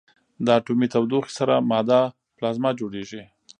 د اټومي تودوخې سره ماده پلازما جوړېږي.